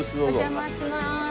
お邪魔します。